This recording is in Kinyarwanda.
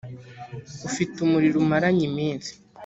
ufite umuriro umaranye iminsi